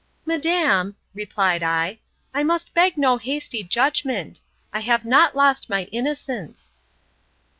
Madam, replied I, I must beg no hasty judgment; I have not lost my innocence.